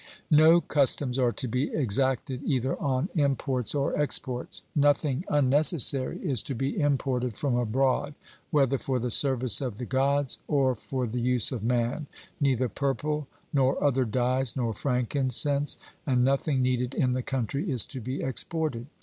No customs are to be exacted either on imports or exports. Nothing unnecessary is to be imported from abroad, whether for the service of the Gods or for the use of man neither purple, nor other dyes, nor frankincense, and nothing needed in the country is to be exported.